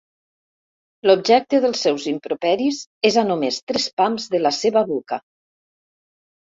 L'objecte dels seus improperis és a només tres pams de la seva boca.